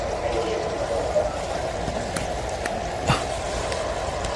Lakini Bob Marley aliendelea kuita bendi yake jina la Bob Marley